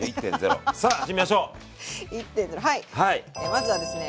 まずはですね